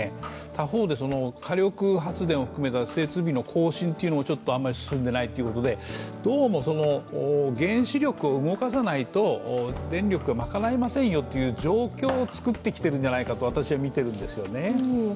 他方で火力発電を含めた設備の更新も進んでいないということでどうも原子力を動かさないと電力が賄えませんよという状況を作ってきているんじゃないかと私は見ているんですね。